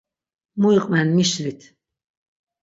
Mu iqven mişlit.